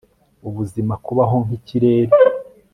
Ubuzima Kubaho nkikirere